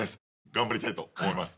頑張りたいと思います。